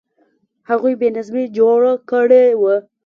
هغوی بې نظمي جوړه کړې وه.